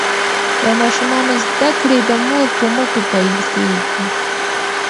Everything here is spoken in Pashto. د ماشومانو زده کړې د مور په مټو پیل کیږي.